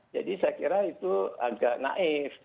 jadi saya kira itu agak naif